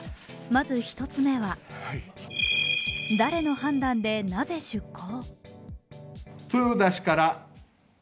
まず１つ目は誰の判断で、なぜ出航？